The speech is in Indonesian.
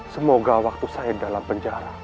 semoga waktu saya dalam penjara